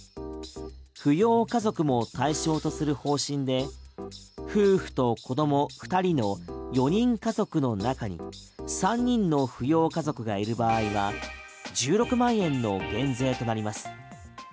扶養家族も対象とする方針で夫婦と子ども２人の４人家族の中に３人の扶養家族がいる場合は１６万円の減税となります。